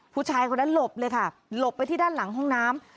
ผู้ชายคนนั้นหลบเลยค่ะหลบไปที่ด้านหลังห้องน้ำ